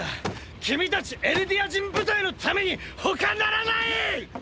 君たちエルディア人部隊のためにほかならない！